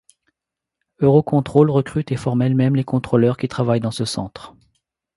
Eurocontrol recrute et forme elle-même les contrôleurs qui travaillent dans ce centre.